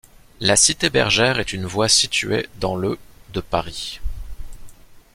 La cité Bergère est une voie située dans le de Paris.